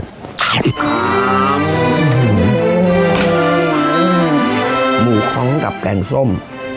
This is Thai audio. อืมหมูค้องกับแกงส้ม